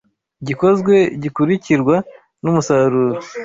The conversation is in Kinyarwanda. igikozwe gikurikirwa n’umusaruro